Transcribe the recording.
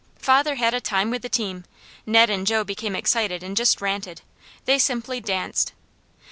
Father had a time with the team. Ned and Jo became excited and just ranted. They simply danced.